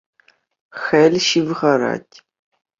Хӗл ҫывхарать.